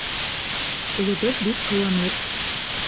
Улыбыҙ бик ҡыуаныр.